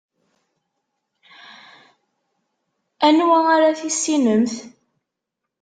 Anwa ara tissinemt?